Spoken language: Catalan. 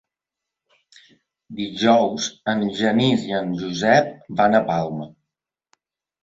Dijous en Genís i en Josep van a Palma.